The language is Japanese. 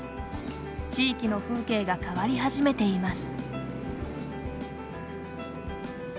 地域の風景が変わり始めています。